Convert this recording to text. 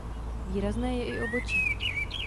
Výrazné je i obočí.